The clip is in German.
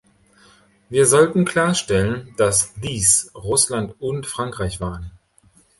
Wir sollten klarstellen, dass dies Russland und Frankreich waren.